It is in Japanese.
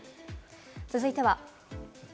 続いては。